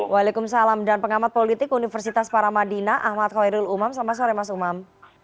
waalaikumsalam dan pengamat politik universitas paramadina ahmad khairul umam selamat sore mas umam